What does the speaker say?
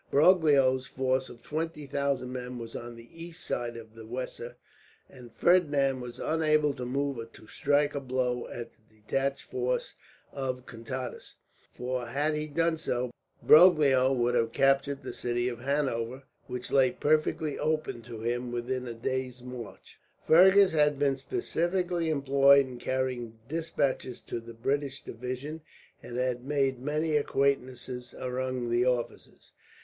Broglio's force of twenty thousand men was on the east side of the Weser, and Ferdinand was unable to move to strike a blow at the detached force of Contades; for had he done so, Broglio would have captured the city of Hanover, which lay perfectly open to him within a day's march. Fergus had been specially employed in carrying despatches to the British division, and had made many acquaintances among the officers.